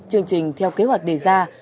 chương trình theo kế hoạch đề ra